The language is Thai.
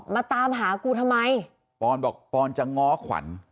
มาตามหากูทำไมปอนด์จะน้องควัน